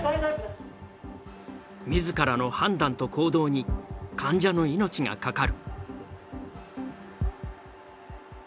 自らの判断と行動に患者の命がかかる。